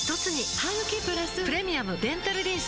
ハグキプラス「プレミアムデンタルリンス」